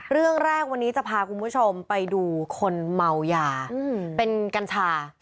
เรื่องแรกวันนี้จะพาคุณผู้ชมไปดูคนเมายาเป็นกัญชา